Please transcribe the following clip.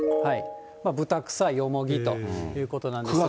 ブタクサ、ヨモギということなんですが。